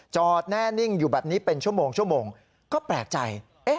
จอดแน่นิ่งอยู่แบบนี้เป็นชั่วโมงชั่วโมงก็แปลกใจ